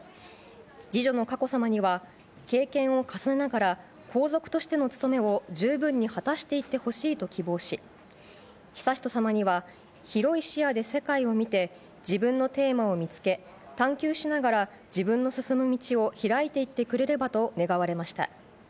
次女の佳子さまには、経験を重ねながら、皇族としての務めを十分に果たしていってほしいと希望し、悠仁さまには広い視野で世界を見て、自分のテーマを見つけ、探求しながら、自分の進む道をひらいていってくれればと願われました。